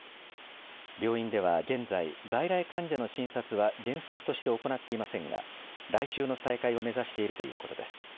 病院では現在外来患者の診察は原則として行っていませんが来週の再開を目指しているということです。